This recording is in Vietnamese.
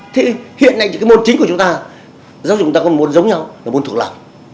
thì hiện nay cái môn chính của chúng ta giáo dục của chúng ta có một môn giống nhau là môn thuộc lòng